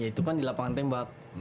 itu kan di lapangan tembak